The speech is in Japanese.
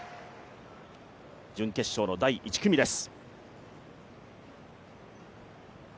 準決勝の第１組です。